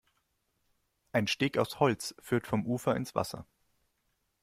Ein Steg aus Holz führt vom Ufer ins Wasser.